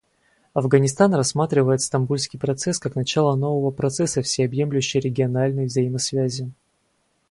Афганистан рассматривает Стамбульский процесс как начало нового процесса всеобъемлющей региональной взаимосвязи.